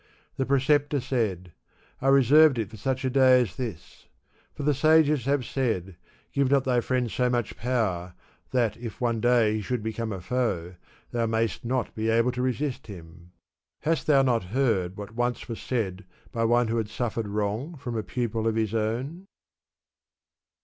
The pre ceptor said, I reserved it for such a day as this ; for the sages have said, *Give not thy friend so much power that if one day he should become a foe, thou nuyst not be able to resist him.* Hast thou not heard what once was said by one who had suffered wrong from a pupil of his own?